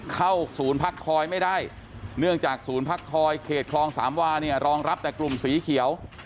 เข้าศูนย์พักคอยไม่ได้เนื่องจากศูนย์พักคอยเขตคลองสามวาเนี่ยรองรับแต่กลุ่มสีเขียว